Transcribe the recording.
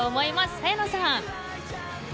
早野さん。